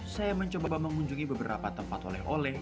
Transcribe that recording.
saya mencoba mengunjungi beberapa tempat oleh oleh